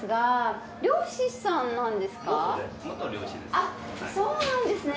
あっそうなんですね。